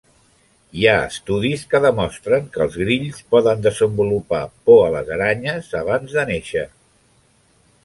Hi ha estudis que demostren que els grills poden desenvolupar por a les aranyes abans de néixer.